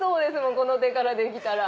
この手からできたら。